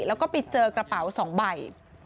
แล้วก็ไปเจอกระเป๋า๒ใบ